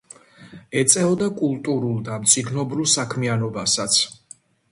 ეწეოდა კულტურულ და მწიგნობრულ საქმიანობასაც.